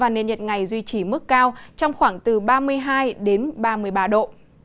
nên nhiệt ngày duy trì mức cao trong khoảng từ ba mươi hai đến ba mươi ba độ